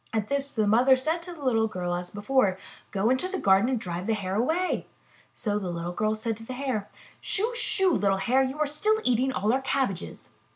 At this, the mother said to the little girl as before: *'Go into the garden and drive the Hare away." So the little girl said to the Hare: Shoo! Shoo! little Hare, you are still eating all our cabbages."